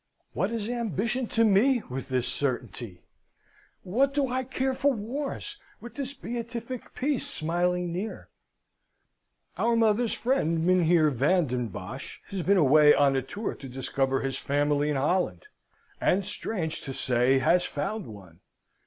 What is ambition to me, with this certainty? What do I care for wars, with this beatific peace smiling near? "Our mother's friend, Mynheer Van den Bosch, has been away on a tour to discover his family in Holland, and, strange to say, has found one.